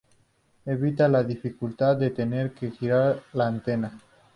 Evita la dificultad de tener que girar la antena.